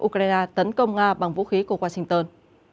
ukraine tấn công nga bằng vũ khí của washington